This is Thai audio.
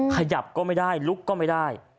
ขยับก็ไม่ได้ลุกก็ไม่ได้